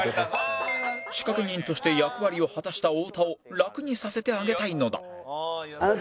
仕掛け人として役割を果たした太田を楽にさせてあげたいのだ